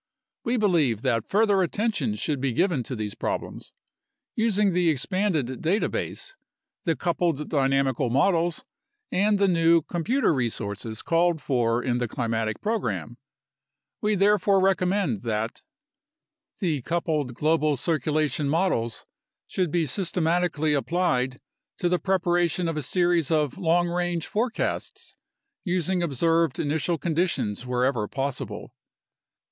We believe that further attention should be given to these problems, using the expanded data base, the coupled dynamical models, and the new computer resources called for in the climatic program. We therefore recommend that 92 UNDERSTANDING CLIMATIC CHANGE The coupled global circulation models should be systematically ap plied to the preparation of a series of long range forecasts using ob served initial conditions wherever possible.